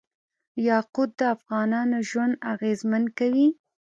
یاقوت د افغانانو ژوند اغېزمن کوي.